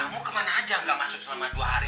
kamu ke mana aja gak masuk selama dua hari